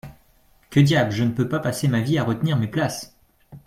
Que diable ! je ne peux pas passer ma vie à retenir mes places.